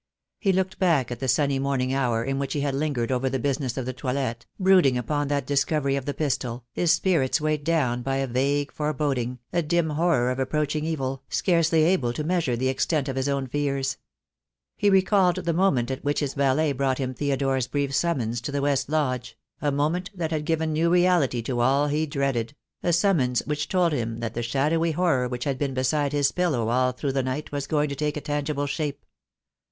He looked back at the sunny morning hour in which he had lingered over the business of the toilet, brooding upon that discovery of the pistol, his spirits weighed down by a vague foreboding, a dim horror of approaching evil, scarcely able to measure the extent of his own fears. He recalled the moment at which his valet brought him Theodore's brief summons to the West Lodge — a moment that had given new reality to all he dreaded — a summons which told him that the shadowy horror which had been beside his pillow all through the night was going to take a tangible shape.